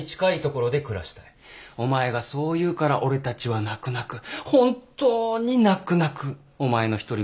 お前がそう言うから俺たちは泣く泣く本当に泣く泣くお前の一人暮らしを認めたのに。